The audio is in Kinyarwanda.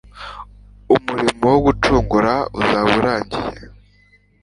Umurimo wo gucungura uzaba urangiye.